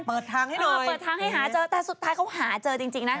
เปิดทางให้หน่อยเปิดทางให้หาเจอแต่สุดท้ายเขาหาเจอจริงนะ